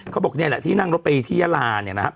เขาบอกนี่แหละที่นั่งรถไปที่ยาลาเนี่ยนะครับ